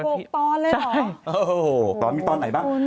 ๖ตอนเลยหรอตอนมีตอนไหนบ้าง